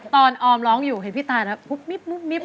ก่อนออมร้องอยู่เห็นพี่ตานแล้วปุ๊บมิ๊บมิ๊บมิ๊บ